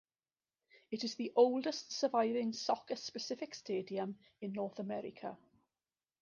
It is the oldest surviving soccer specific stadium in North America.